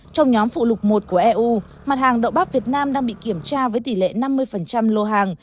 trong nhóm phụ lục một của eu mặt hàng đậu bắp việt nam đang bị kiểm tra với tỷ lệ năm mươi lô hàng